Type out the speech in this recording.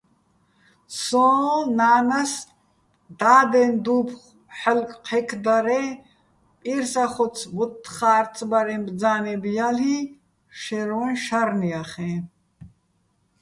სოჼ ნა́ნას დადეჼ დუ́ფხო̆ ჰ̦ალო̆ ჴექდარეჼ, პირსახოც-მოთთხა́რცბარეჼ ბძა́ნებ ჲალ'იჼ, შაჲრვაჼ შარნ ჲახეჼ.